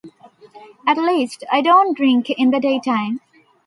At least I don't drink in the daytime.